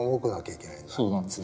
そうなんです。